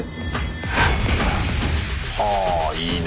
あいいね。